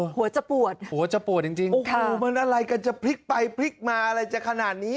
หัวจะปวดหัวจะปวดจริงจริงโอ้โหมันอะไรกันจะพลิกไปพลิกมาอะไรจะขนาดนี้